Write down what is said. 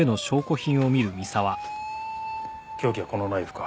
凶器はこのナイフか。